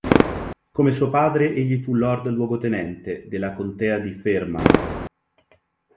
Come suo padre egli fu Lord Luogotenente della Contea di Fermanagh.